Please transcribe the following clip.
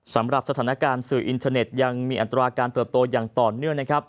สำหรับสถานการณ์สื่ออินเทอร์เน็ตยังมีอัตราการเติบโตอย่างต่อเนื่องนะครับ